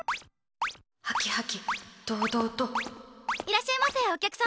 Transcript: いらっしゃいませ、お客様。